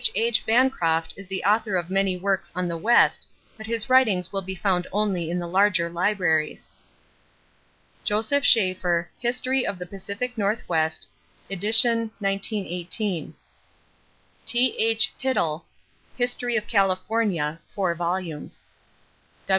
H. Bancroft is the author of many works on the West but his writings will be found only in the larger libraries. Joseph Schafer, History of the Pacific Northwest (ed. 1918). T.H. Hittel, History of California (4 vols.).